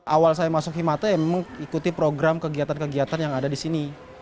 awal saya masuk himata ya mengikuti program kegiatan kegiatan yang ada di sini